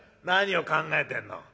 何を考えてんの。